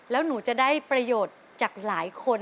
แล้วหนูจะได้ประโยชน์จากหลายคน